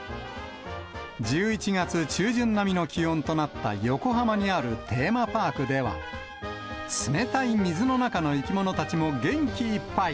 １１月中旬並みの気温となった横浜にあるテーマパークでは、冷たい水の中の生き物たちも元気いっぱい。